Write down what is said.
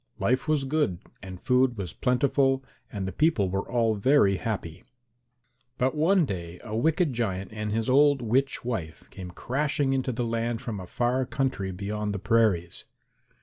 Life was good and food was plentiful and the people were all very happy. But one day a wicked giant and his old witch wife came crashing into the land from a far country beyond the prairies.